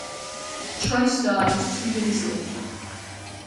Trice died two days later.